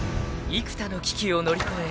［幾多の危機を乗り越え